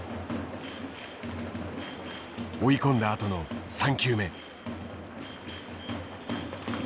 追い込んだあとの３球目。